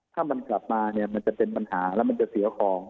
ถ้ามันกลับมาเนี่ยมันจะเป็นปัญหาแล้วมันจะเสียของ